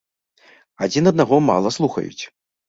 Адзін аднаго мала слухаюць.